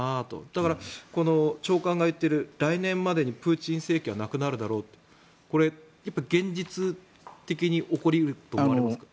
だから、長官が言っている来年までにプーチン政権がなくなるだろうというのは現実的だと思われますか？